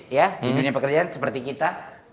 ya di dunia pekerjaan seperti kita